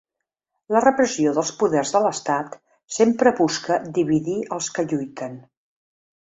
La repressió dels poders de l’estat sempre busca dividir als que lluiten.